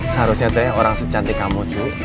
seharusnya tuh ya orang secantik kamu cuy